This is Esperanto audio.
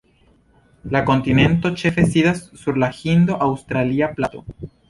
La kontinento ĉefe sidas sur la Hindo-Aŭstralia Plato.